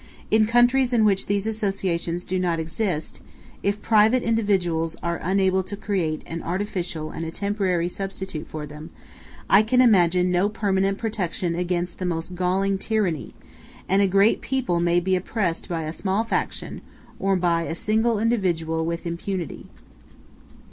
In countries in which these associations do not exist, if private individuals are unable to create an artificial and a temporary substitute for them, I can imagine no permanent protection against the most galling tyranny; and a great people may be oppressed by a small faction, or by a single individual, with impunity.